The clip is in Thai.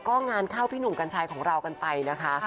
ก็งานเข้าพี่หนุ่มกัญชัยของเรากันไปนะคะ